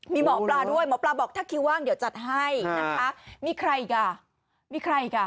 มีหมอปลาด้วยหมอปลาบอกถ้าคิวว่างเดี๋ยวจัดให้มีใครอีกคะ